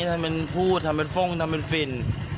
ทำเป็นผู้ทำเป็นฟ่องทำเป็นฟิน